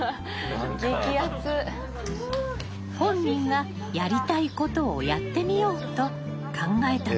本人がやりたいことをやってみようと考えたのです。